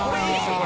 これ。